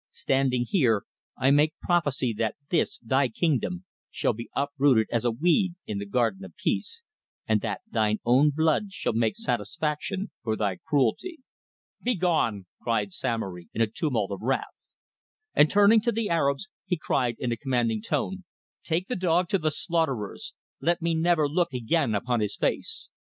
Standing here, I make prophecy that this thy kingdom shall be uprooted as a weed in the garden of peace, and that thine own blood shall make satisfaction for thy cruelty." "Begone!" cried Samory, in a tumult of wrath. And turning to the Arabs he cried in a commanding tone: "Take the dog to the slaughterers. Let me never look again upon his face."